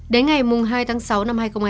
đến ngày hai tháng sáu năm hai nghìn hai mươi